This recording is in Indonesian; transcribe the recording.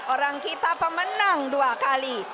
orang kita pemenang dua kali